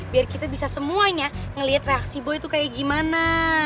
biar kita bisa semuanya ngelihat reaksi boy itu kayak gimana